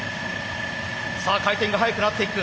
さあ回転が速くなっていく。